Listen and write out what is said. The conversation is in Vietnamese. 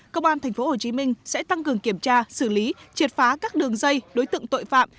công an tp hcm sẽ tăng cường kiểm tra xử lý triệt phá các đường dây đối tượng tội phạm